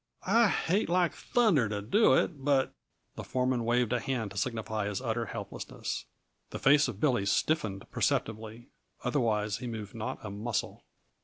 I hate like thunder to do it, but " The foreman waved a hand to signify his utter helplessness. The face of Billy stiffened perceptibly; otherwise he moved not a muscle.